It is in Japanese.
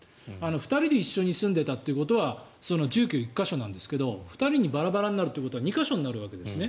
２人で一緒に住んでいたということは住居、１か所なんですが２人にバラバラになるということは２か所になるわけですね。